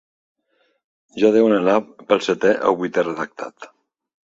Ja deuen anar pel setè o vuitè redactat.